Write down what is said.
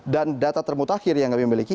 dan data termutakhir yang kami memiliki